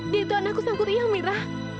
dia itu anakku sangku ria mira